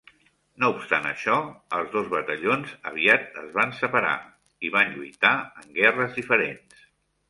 No obstant això, els dos batallons aviat es van separar i van lluitar en guerres diferents.